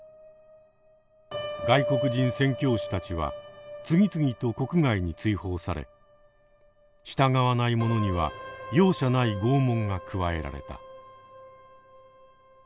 外国人宣教師たちは次々と国外に追放され従わない者には容赦ない拷問が加えられた。